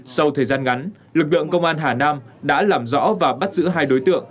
sau thời gian ngắn lực lượng công an hà nam đã làm rõ và bắt giữ hai đối tượng